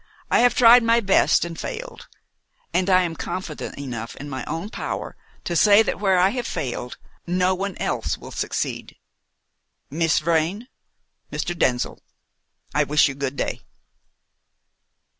I have tried my best, and failed; and I am confident enough in my own power to say that where I have failed no one else will succeed. Miss Vrain, Mr. Denzil, I wish you good day."